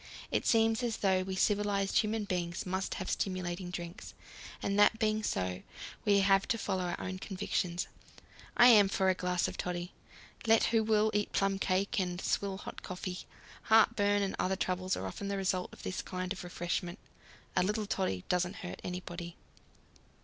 It seems as though we civilized human beings must have stimulating drinks, and that being so, we have to follow our own convictions. I am for a glass of toddy. Let who will eat plum cake and swill hot coffee heartburn and other troubles are often the result of this kind of refreshment. A little toddy doesn't hurt anybody.